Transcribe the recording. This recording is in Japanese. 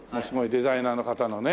デザイナーの方のね。